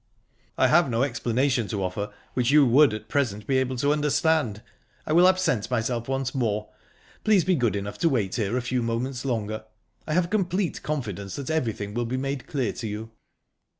"I have no explanation to offer which you would at present be able to understand. I will absent myself once more. Please be good enough to wait here a few moments longer. I have complete confidence that everything will be made clear to you."